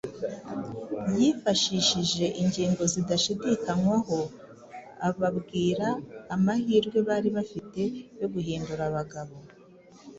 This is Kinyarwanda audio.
Yifashishije ingingo zidashidikanywaho, ababwira amahirwe bari bafite yo guhinduka abagabo